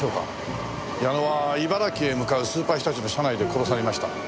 矢野は茨城へ向かうスーパーひたちの車内で殺されました。